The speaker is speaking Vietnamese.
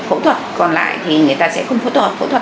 phẫu thuật còn lại thì người ta sẽ không phẫu thuật